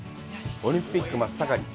オリンピック真っ盛り。